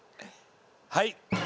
はい。